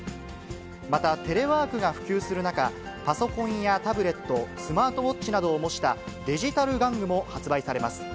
また、テレワークが普及する中、パソコンやタブレット、スマートウォッチなどを模したデジタル玩具も発売されます。